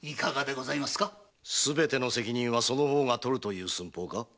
すべての責任はその方が取るという寸法か？